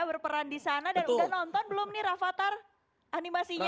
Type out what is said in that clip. berperan di sana dan udah nonton belum nih rafatar animasinya